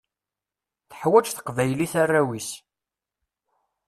Teḥwaǧ teqbaylit arraw-is.